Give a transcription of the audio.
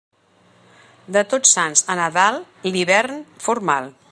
De Tots Sants a Nadal, l'hivern formal.